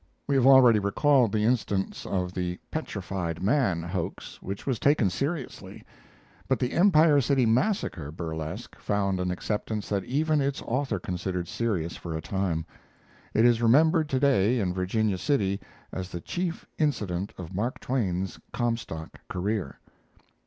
We have already recalled the instance of the "Petrified Man" hoax, which was taken seriously; but the "Empire City Massacre" burlesque found an acceptance that even its author considered serious for a time. It is remembered to day in Virginia City as the chief incident of Mark Twain's Comstock career.